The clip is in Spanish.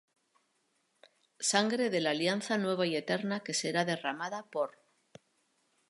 sangre de la alianza nueva y eterna, que será derramada por